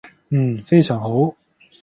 嗯，非常好